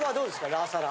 ラーサラ。